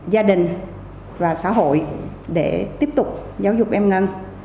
gia đình và xã hội để tiếp tục giáo dục em ngăn